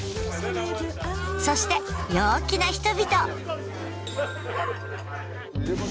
そして陽気な人々。